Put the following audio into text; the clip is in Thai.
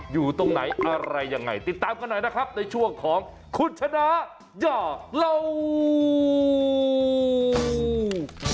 อยู่ตรงไหนอะไรยังไงติดตามกันหน่อยนะครับในช่วงของคุณชนะย่อเล่า